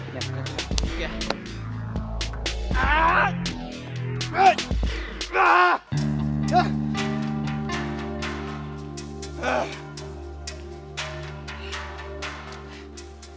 iya kasi dulu